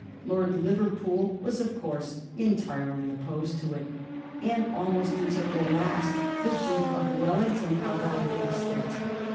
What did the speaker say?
Lord Liverpool was, of course, entirely opposed to it, and almost until the last the Duke of Wellington held out against it.